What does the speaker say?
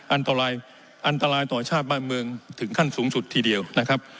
อันตรายอันตรายต่อชาติบ้านเมืองถึงขั้นสูงสุดทีเดียวนะครับ